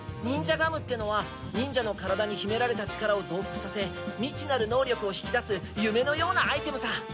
ニンジャガムってのは忍者の体に秘められた力を増幅させ未知なる能力を引き出す夢のようなアイテムさ！